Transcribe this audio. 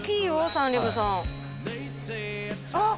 サンリブさんあっ！